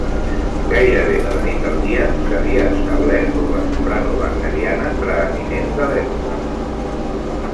Gairebé de la nit al dia, s'havia establert com la soprano wagneriana preeminent de l'època.